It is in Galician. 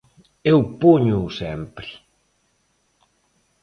Eu póñoo sempre.